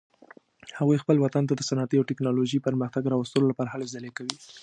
هغوی خپل وطن ته د صنعتي او تکنالوژیکي پرمختګ راوستلو لپاره هلې ځلې کوي